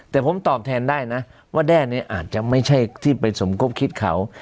แต่ผมตอบแทนได้นะว่าแด้เนี่ยอาจจะไม่ใช่ที่ไปสมคบคิดเขา